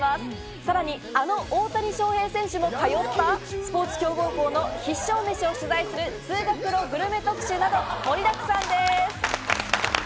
さらにあの大谷翔平選手も通ったスポーツ強豪校の必勝メシを取材する通学路グルメ特集など、盛りだくさんです。